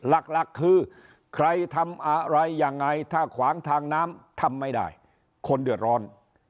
หลักคือใครทำอะไรยังไงถ้าขวางทางน้ำทำไม่ได้คนเดือดร้อน